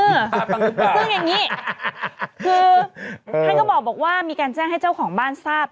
ซึ่งอย่างนี้คือท่านก็บอกว่ามีการแจ้งให้เจ้าของบ้านทราบ